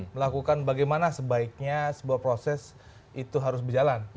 melakukan bagaimana sebaiknya sebuah proses itu harus berjalan